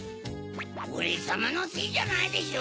オレさまのせいじゃないでしょ